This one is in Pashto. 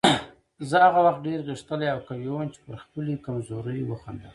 زه هغه وخت ډېر غښتلی او قوي وم چې پر خپلې کمزورۍ وخندل.